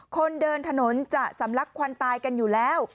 คนเดินถนนจะสำลักควันตายกันอยู่แล้ว